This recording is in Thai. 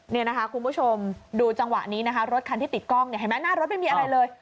นี่นะคะคุณผู้ชมดูจังหวะนี้นะคะรถคันที่ติดกล้องเนี่ยเห็นไหมหน้ารถไม่มีอะไรเลย